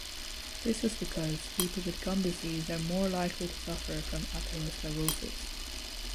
This was because people with gum disease are more likely to suffer from atherosclerosis.